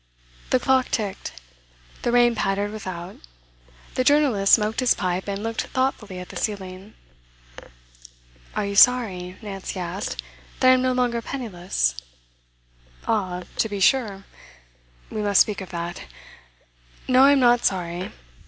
The clock ticked; the rain pattered without; the journalist smoked his pipe and looked thoughtfully at the ceiling. 'Are you sorry,' Nancy asked, 'that I am no longer penniless?' 'Ah to be sure. We must speak of that. No, I'm not sorry.